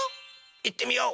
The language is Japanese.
いってみよう！